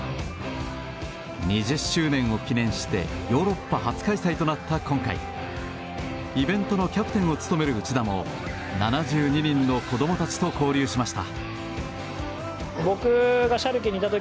２０周年を記念してヨーロッパ初開催となった今回イベントのキャプテンを務める内田も７２人の子供たちと交流しました。